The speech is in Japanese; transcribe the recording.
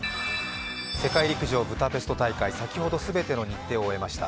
世界陸上ブダペスト大会、先ほど全ての日程を終えました。